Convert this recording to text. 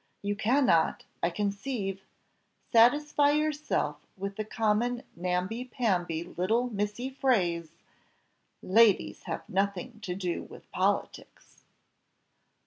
You cannot, I conceive, satisfy yourself with the common namby pamby little missy phrase, 'ladies have nothing to do with politics.